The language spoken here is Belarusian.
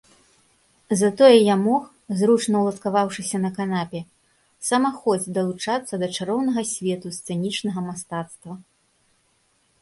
Затое я мог, зручна ўладкаваўшыся на канапе, самахоць далучацца да чароўнага свету сцэнічнага мастацтва.